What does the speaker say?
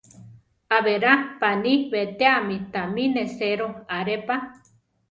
Á berá paní betéame tami nesero aré pa.